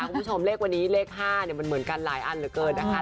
คุณผู้ชมเลขวันนี้เลข๕มันเหมือนกันหลายอันเหลือเกินนะคะ